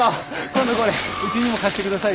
今度これうちにも貸してくださいよ！